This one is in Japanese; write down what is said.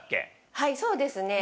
はいそうですね。